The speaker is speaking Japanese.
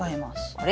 あれ？